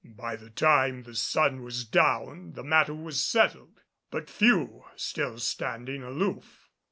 By the time the sun was down the matter was settled, but few still standing aloof.